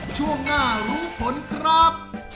ช่วงหน้ารู้ผลครับ